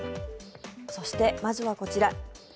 そして、まずはこちら。